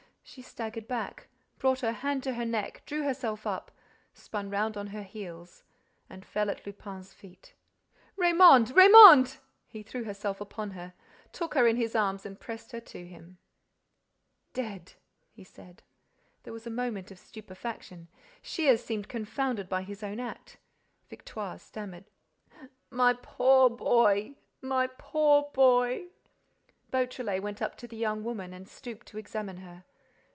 She staggered back, brought her hand to her neck, drew herself up, spun round on her heels and fell at Lupin's feet. "Raymonde!—Raymonde!" He threw himself upon her, took her in his arms and pressed her to him. "Dead—" he said. There was a moment of stupefaction. Shears seemed confounded by his own act. Victoire stammered: "My poor boy—my poor boy—" Beautrelet went up to the young woman and stooped to examine her.